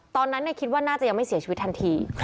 ตอนนั้นคิดว่าน่าจะยังไม่เสียชีวิตทันที